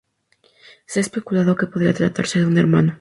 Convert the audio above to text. Se ha especulado que podría tratarse de su hermano.